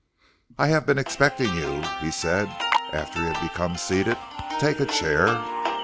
"I have been expecting you," he said after he had become seated. "Take a chair."